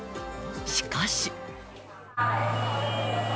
しかし。